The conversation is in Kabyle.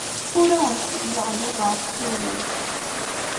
Ur awent-ttgeɣ nnuba ad tessiwlemt.